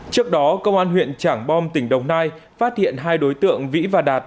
trước đó công an huyện trảng bom tỉnh đồng nai phát hiện hai đối tượng vĩ và đạt